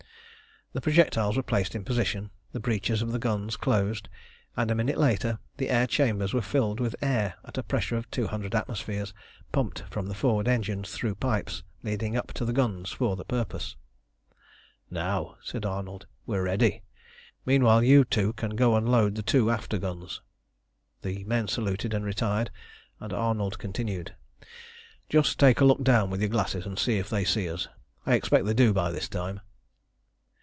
The projectiles were placed in position, the breeches of the guns closed, and a minute later the air chambers were filled with air at a pressure of two hundred atmospheres, pumped from the forward engines through pipes leading up to the guns for the purpose. "Now," said Arnold, "we're ready! Meanwhile you two can go and load the two after guns." The men saluted and retired, and Arnold continued "Just take a look down with your glasses and see if they see us. I expect they do by this time."